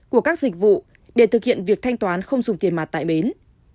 của các dịch vụ để thực hiện việc thanh toán không dùng tiền mặt tại bến